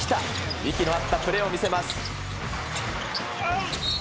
息の合ったプレーを見せます。